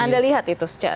anda lihat itu secara